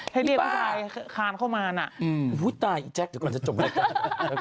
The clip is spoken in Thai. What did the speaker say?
ว้าวอยากฟังกันไหมคุณแม่คุณแม่คุณแม่คุณแม่